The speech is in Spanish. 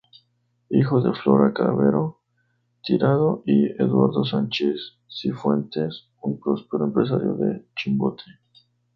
Hijo de Flora Cavero Tirado y Eduardo Sánchez Sifuentes, un próspero empresario en Chimbote.